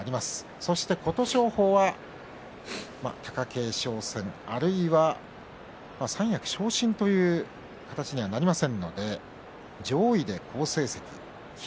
そして琴勝峰は貴景勝戦あるいは三役昇進という形にはなりませんので上位で好成績、霧